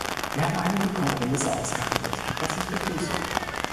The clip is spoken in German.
Wir haben einige Kompromisse ausgehandelt, was ich begrüße.